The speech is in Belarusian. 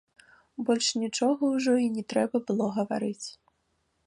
Больш нічога ўжо і не трэба было гаварыць.